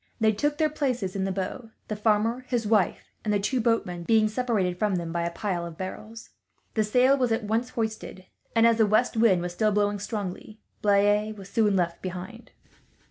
They took their places in the bow; the farmer, his wife, and the two boatmen being separated from them by the pile of barrels. The sail was at once hoisted and, as the west wind was still blowing strongly, Blaye was soon left behind.